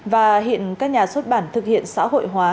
và hiện các nhà xuất bản thực hiện xã hội hóa